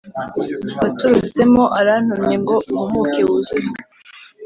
Waturutsemo arantumye ngo uhumuke wuzuzwe